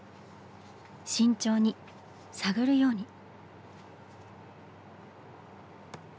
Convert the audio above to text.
慎重に探るように。